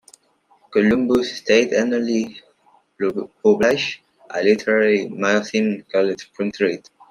Columbus State annually publishes a literary magazine called "Spring Street".